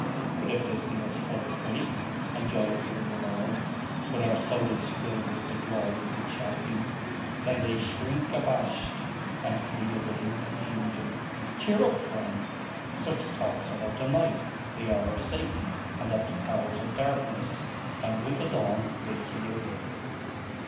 But if they see us full of faith, and joyful in the Lord, with our souls filled with the glory which shall be, then they shrink abashed, and flee away in confusion." Cheer up, friend! such thoughts are of the night, the hour of Satan and of the powers of darkness; and with the dawn they flee away.